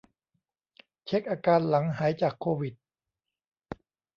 เช็กอาการหลังหายจากโควิด